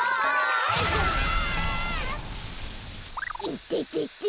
いててて。